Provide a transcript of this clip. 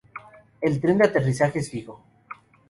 El tren de aterrizaje es fijo.